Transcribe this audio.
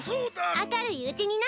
明るいうちにな。